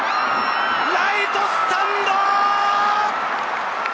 ライトスタンド！